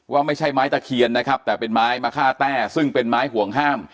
ว่าไม่ใช่ไม้ตะเคียนนะครับแต่เป็นไม้มะค่าแต้ซึ่งเป็นไม้ห่วงห้าม